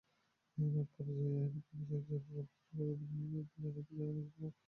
পরজ স্বর্গে তোমায় নিয়ে যাবে উড়িয়ে, পিছে পিছে আমি চলব খুঁড়িয়ে।